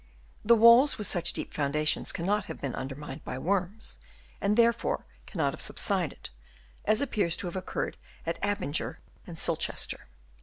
The walls with such deep foundations cannot have been under mined by worms, and therefore cannot have subsided, as appears to have occurred at Abinger and Silchester.